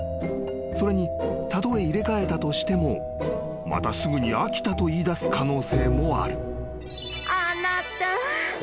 ［それにたとえ入れ替えたとしてもまたすぐに飽きたと言いだす可能性もある］